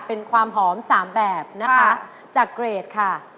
เป็นความหอมสามแบบนะคะจากเกรดค่ะ